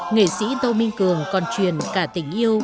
nghệ sĩ tô minh cường còn truyền cả tình yêu